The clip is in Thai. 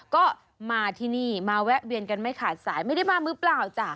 ก็มาที่นี่มาแวะเวียนกันไม่ขาดสายไม่ได้มามือเปล่าจ้ะ